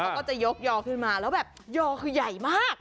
เขาก็จะยกยอขึ้นมาแล้วแบบยอคือใหญ่มาก